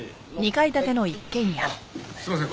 すいません。